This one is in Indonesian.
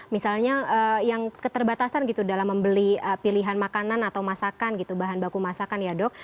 misalnya yang keterbatasan gitu dalam membeli pilihan makanan atau masakan gitu bahan baku masakan ya dok